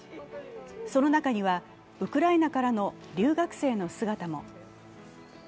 その中にはウクライナからの留学生の姿も。